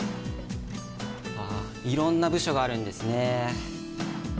あっいろんな部署があるんですね。